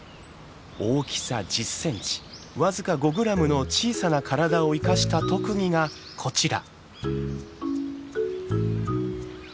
大きさ１０センチ僅か５グラムの小さな体を生かした特技がこちら。